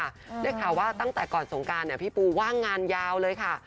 เรียกข่าวว่าตั้งแต่ก่อนสงการพี่ปูว่างงานยาวเลยค่ะ